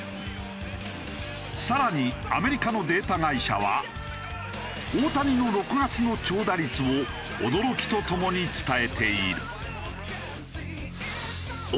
更にアメリカのデータ会社は大谷の６月の長打率を驚きとともに伝えている。